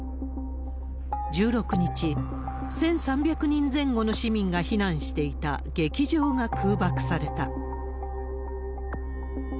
１６日、１３００人前後の市民が避難していた劇場が空爆された。